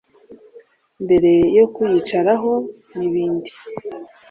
mbere yo kuyicaraho n'ibindi.